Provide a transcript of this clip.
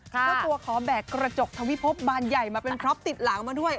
เจ้าตัวขอแบกกระจกทวิภพบานใหญ่มาเป็นพร็อปติดหลังมาด้วย